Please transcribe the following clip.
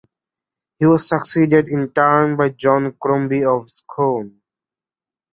He was succeeded in turn by John Crombie of Scone.